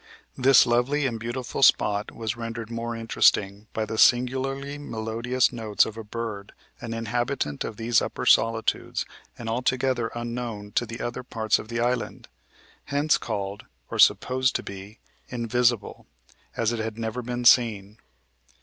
This lovely and beautiful spot was rendered more interesting by the singularly melodious notes of a bird, an inhabitant of these upper solitudes, and altogether unknown to the other parts of the island hence called, or supposed to be, "invisible," as it had never been seen.